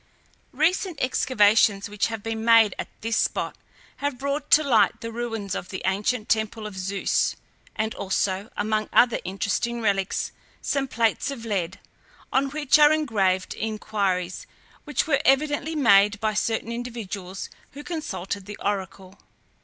Recent excavations which have been made at this spot have brought to light the ruins of the ancient temple of Zeus, and also, among other interesting relics, some plates of lead, on which are engraved inquiries which were evidently made by certain individuals who consulted the oracle.